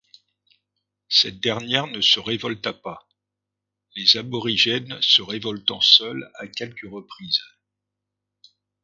Cette dernière ne se révolta pas, les aborigènes se révoltant seuls à quelques reprises.